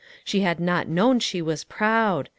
She had not known she was proud.